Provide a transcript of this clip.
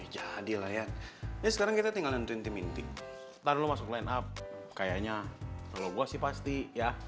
jadi layak sekarang kita tinggalin tim tim taruh masuk line up kayaknya kalau gua sih pasti ya